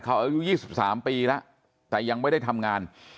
เขาอายุ๒๓ปีแล้วแต่ยังไม่ได้ทำงาน